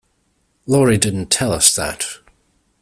Laurie didn't tell us that.